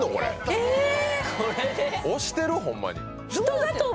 これで⁉押してる？ホンマに。